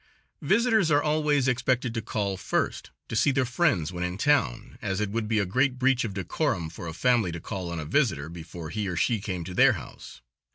Visitors are always expected to call first, to see their friends when in town, as it would be a great breach of decorum for a family to call on a visitor before he or she came to their house.